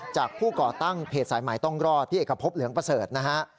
ผู้ก่อตั้งเพจสายใหม่ต้องรอดพี่เอกพบเหลืองประเสริฐนะฮะ